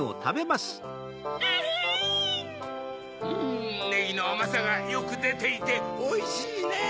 うんネギのあまさがよくでていておいしいねぇ。